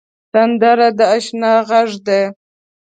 سندره د اشنا غږ دی